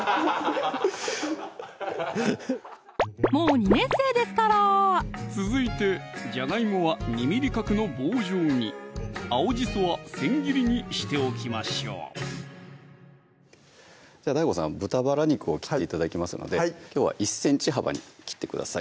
もう２年生ですから続いてじゃがいもは２ｍｍ角の棒状に青じそは千切りにしておきましょうＤＡＩＧＯさん豚バラ肉を切って頂きますのできょうは１ｃｍ幅に切ってください